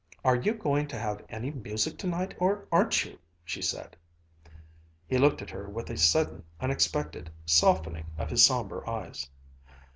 "Are you going to have any music tonight, or aren't you?" she said. He looked at her with a sudden, unexpected softening of his somber eyes.